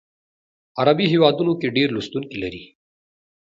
عربي هیوادونو کې ډیر لوستونکي لري.